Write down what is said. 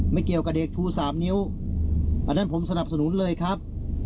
ไม่เกี่ยวกับเด็กชู๓นิ้วอันนั้นผมสนับสนุนเลยครับ